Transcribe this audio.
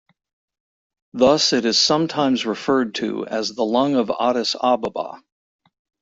Thus, it is sometimes referred to as the "lung of Addis Ababa".